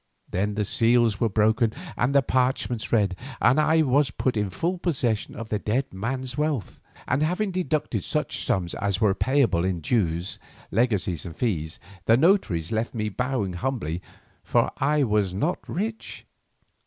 Then the seals were broken and the parchments read and I was put in full possession of the dead man's wealth, and having deducted such sums as were payable for dues, legacies, and fees, the notaries left me bowing humbly, for was I not rich?